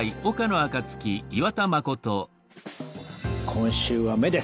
今週は「目」です。